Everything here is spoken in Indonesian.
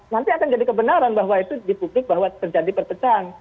nanti akan jadi kebenaran bahwa itu di publik bahwa terjadi perpecahan